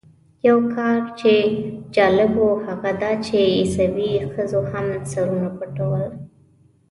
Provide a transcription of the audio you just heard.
یو کار چې جالب و هغه دا چې عیسوي ښځو هم سرونه پټول.